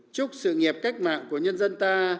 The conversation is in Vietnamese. chúc sự nghiệp cách mạng của nhân dân ta